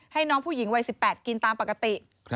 ให้น้องผู้หญิงวัย๑๘กินตามปกติ